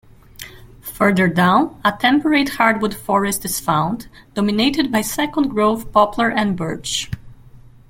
Further down, a temperate hardwood forest is found, dominated by second-growth poplar and birch.